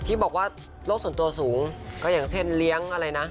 ที่บอกว่าโลกส่วนตัวสูงก็อย่างเช่นเลี้ยงอะไรนะ